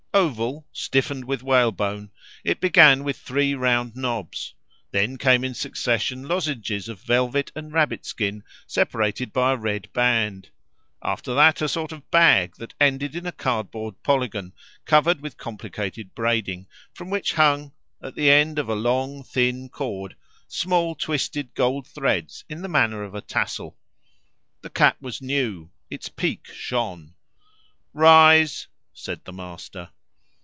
Oval, stiffened with whalebone, it began with three round knobs; then came in succession lozenges of velvet and rabbit skin separated by a red band; after that a sort of bag that ended in a cardboard polygon covered with complicated braiding, from which hung, at the end of a long thin cord, small twisted gold threads in the manner of a tassel. The cap was new; its peak shone. "Rise," said the master.